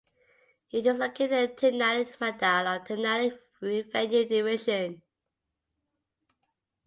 It is located in Tenali mandal of Tenali revenue division.